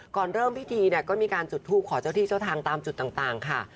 ก่อนเริ่มพิธีเนี่ยก็มีการจุดทูปขอเจ้าที่เจ้าทางตามจุดต่างค่ะ